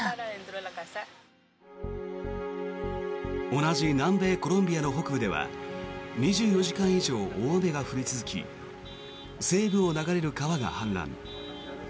同じ南米コロンビアの北部では２４時間以上大雨が降り続き西部を流れる川が氾濫。